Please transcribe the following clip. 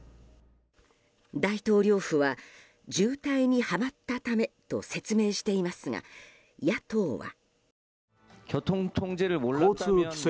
大統領府は渋滞にはまったためと説明していますが、野党は。